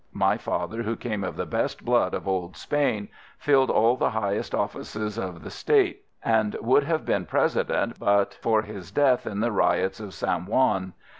My father, who came of the best blood of old Spain, filled all the highest offices of the State, and would have been President but for his death in the riots of San Juan.